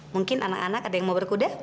mungkin anak anak ada yang mau berkuda